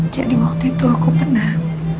jadi waktu itu aku pernah